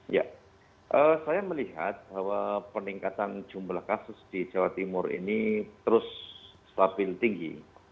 ya saya melihat bahwa peningkatan jumlah kasus di jawa timur ini terus stabil tinggi